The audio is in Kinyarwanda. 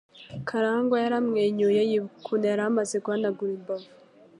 Karangwa yaramwenyuye, yibuka ukuntu yari amaze guhanagura imbavu.